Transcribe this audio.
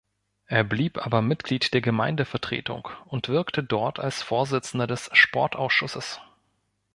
Er blieb aber Mitglied der Gemeindevertretung und wirkte dort als Vorsitzender des Sportausschusses.